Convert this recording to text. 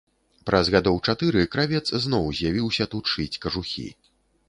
Праз гадоў чатыры кравец зноў з'явіўся тут шыць кажухі.